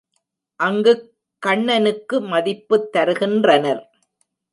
அங்குக் கண்ணனுக்கு மதிப்புத் தருகின்றனர்.